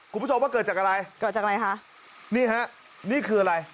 คุณผู้ชมว่าเกิดจากอะไรค่ะนี่ฮะนี่คืออะไร